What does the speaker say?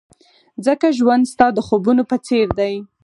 ځکه ژوند ستا د خوبونو په څېر دی.